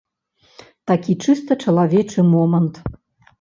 Такі чыста чалавечы момант.